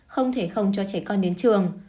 không thể không cho trẻ con đến trường